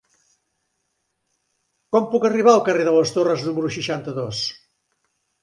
Com puc arribar al carrer de les Torres número seixanta-dos?